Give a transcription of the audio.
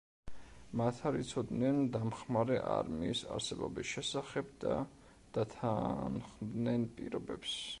მათ არ იცოდნენ დამხმარე არმიის არსებობის შესახებ და დათანხმდნენ პირობებს.